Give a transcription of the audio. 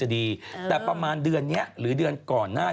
ไหนเล่ามาสิเดี๋ยวหยุดเรื่องเลขก่อนเลย